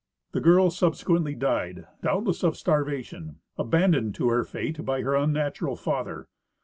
The girl subsequently died, doubt less of starvation, abandoned to her fate by her unnatural father.